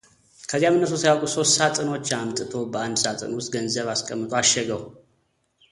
ከዚያም እነርሱ ሳያውቁ ሶስት ሳጥኖች አምጥቶ በአንድ ሳጥን ውስጥ ገንዘብ አስቀምጦ አሸገው፡፡